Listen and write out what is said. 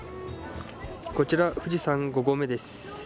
こちら、富士山５合目です。